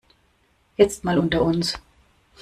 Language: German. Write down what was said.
Jetzt mal unter uns.